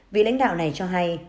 vị lãnh đạo này cho hay